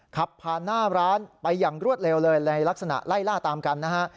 ขับผ่านหน้าร้านไปอย่างรวดเร็วเลยในลักษณะไล่ล่าตามกันนะฮะ